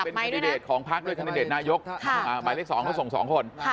เป็นคันดิเดตของภักร์ด้วยคันดิเดตนายกหมายเลข๒ก็ส่ง๒คน